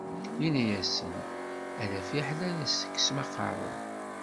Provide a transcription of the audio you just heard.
Yenna-asen, ala fiḥel ad as-teksem aqerru.